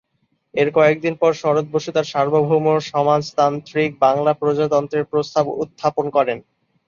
এর কয়েকদিন পর শরৎ বসু তাঁর সার্বভৌম সমাজতান্ত্রিক বাংলা প্রজাতন্ত্রের প্রস্তাব উত্থাপন করেন।